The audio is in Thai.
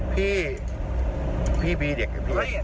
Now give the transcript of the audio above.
พี่พี่บีเด็ก